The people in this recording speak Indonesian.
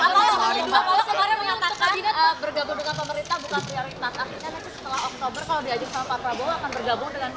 akhirnya nanti setelah oktober kalau diaju sama pak prabowo akan bergabung dengan pemerintah